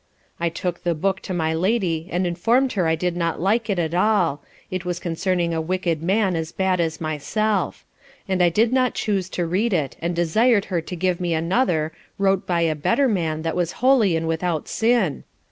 I took the book to my lady, and inform'd her I did not like it at all, it was concerning a wicked man as bad as myself; and I did not chuse to read it, and I desir'd her to give me another, wrote by a better man that was holy and without sin.